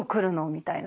みたいな。